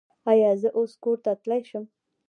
ایا زه اوس کور ته تلی شم؟